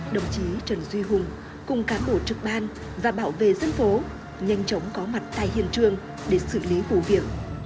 đồng chí trần duy hùng cùng các bộ trực ban và bảo vệ dân phố nhanh chóng có mặt tại hiện trường để xử lý vấn đề